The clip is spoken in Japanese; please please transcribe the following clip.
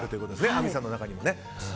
亜美さんの中に。